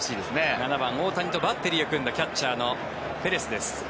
７番大谷とバッテリーを組んだキャッチャーのペレスです。